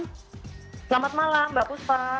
selamat malam mbak puspa